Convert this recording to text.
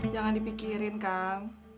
jangan dipikirin kang